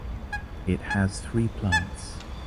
It has three plants.